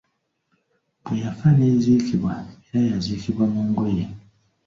Bwe yafa n’eziikibwa era yaziikibwa mu ngoye!